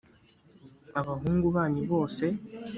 abahungu banyu bose